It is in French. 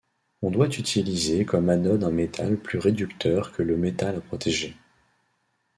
On doit utiliser comme anode un métal plus réducteur que le métal à protéger.